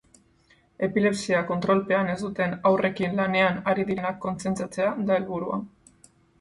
Epilepsia kontrolpean ez duten haurrekin lanean ari direnak konzienziatzea da helburua.